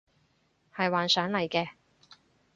係幻想嚟嘅